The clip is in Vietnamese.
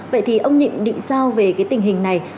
vậy thì ông nhịn định sao về cái tình hình này